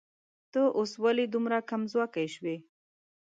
ته اوس ولې دومره کمځواکی شوې